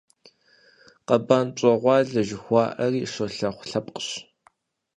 «Къэбан пщӀэгъуалэ» жыхуаӀэри щолэхъу лъэпкъщ.